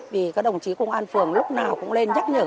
vì các đồng chí công an phường lúc nào cũng lên nhắc nhở